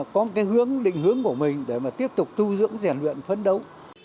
có cái hướng định hướng của mình để mà tiếp tục thu dưỡng giải luyện phấn đấu